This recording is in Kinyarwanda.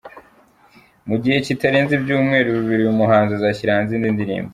Mu gihe kitarenze ibyumweru bibiri uyu muhanzi azashyira hanze indi ndirimbo.